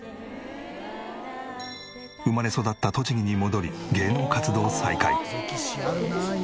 生まれ育った栃木に戻り芸能活動再開。